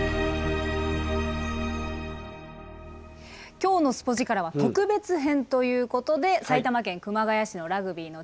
今日の「スポヂカラ！」は特別編ということで埼玉県熊谷市のラグビーの力